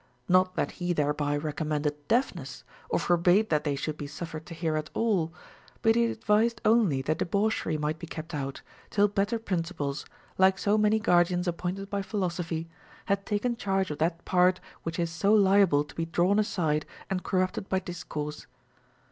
Not that, he thereby recommended deafness, or forbade that they should be suffered to hear at all ; but he advised only that debauchery might be kept out, till better principles, like so many guardians appointed OF HEARING. 443 by philosophy, had taken charge of that part which is so liable to be drawn aside and corrupted by discourse.